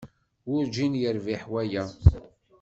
Werǧin yerbiḥ waya.